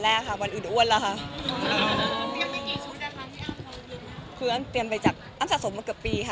แต่เอาไป๖หรือ๗ชุดจะไม่ได้ประมาณเนี่ยค่ะ